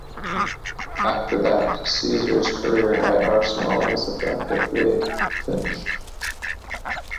After that, Caesar's career at Arsenal was effectively finished.